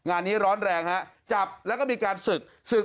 อาวาสมีการฝังมุกอาวาสมีการฝังมุกอาวาสมีการฝังมุก